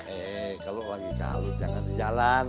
eh kalau lagi kalut jangan jalan